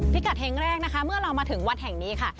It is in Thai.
พิกัดเฮงแรกนะคะเมื่อเรามาถึงวัดแห่งนี้ค่ะ